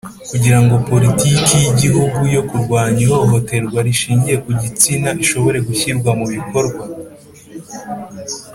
Kugira ngo Politiki y Igihugu yo Kurwanya ihohoterwa Rishingiye ku Gitsina ishobore gushyirwa mu bikorwa